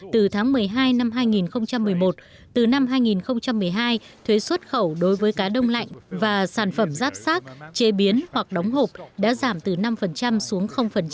từ tháng một mươi hai năm hai nghìn một mươi một từ năm hai nghìn một mươi hai thuế xuất khẩu đối với cá đông lạnh và sản phẩm giáp sát chế biến hoặc đóng hộp đã giảm từ năm xuống